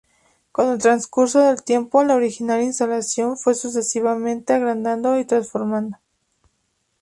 Con el transcurso del tiempo, la originaria instalación se fue sucesivamente agrandando y transformando.